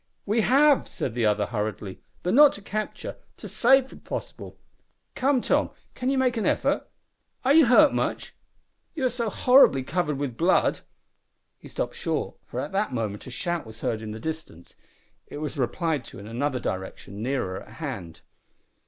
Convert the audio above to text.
"We have," said the other, hurriedly, "but not to capture to save, if possible. Come, Tom, can you make an effort? Are you hurt much? You are so horribly covered with blood " He stopped short, for at that moment a shout was heard in the distance. It was replied to in another direction nearer at hand.